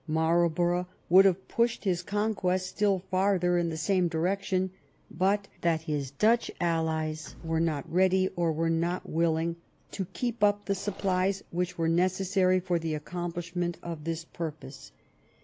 Marlborough would have pushed his conquests still farther in the same direction but that his Dutch allies were not ready, or were not willing, to keep up the supplies which were necessary for the accomplishment of his purpose.